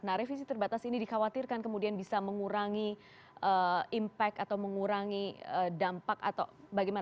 nah revisi terbatas ini dikhawatirkan kemudian bisa mengurangi impact atau mengurangi dampak atau bagaimana